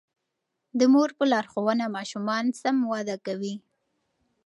د مور په لارښوونه ماشومان سم وده کوي.